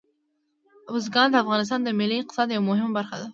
بزګان د افغانستان د ملي اقتصاد یوه مهمه برخه ده.